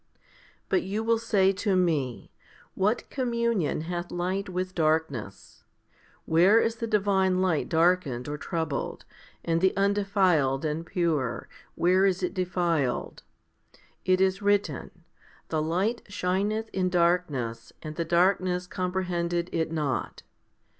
5. But you will say to me, " What communion hath light with darkness P 2 Where is the divine light darkened or troubled ; and the undefiled and pure, where is it defiled?" It is written, The light shineth in darkness, and the darkness comprehended it not?